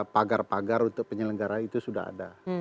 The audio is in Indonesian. pagar pagar untuk penyelenggara itu sudah ada